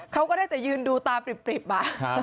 เขาก็ได้แต่ยืนดูตาปริบอ่ะ